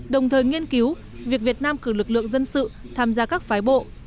đồng thời nghiên cứu việc việt nam cử lực lượng dân sự tham gia các phái bộ